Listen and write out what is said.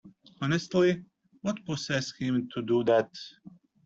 Honestly! What possessed him to do that?